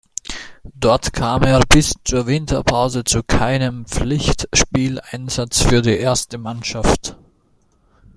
Dort kam er bis zur Winterpause zu keinem Pflichtspieleinsatz für die erste Mannschaft.